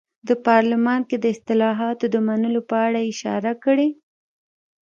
د پارلمان کې د اصلاحاتو د منلو په اړه یې اشاره کړې.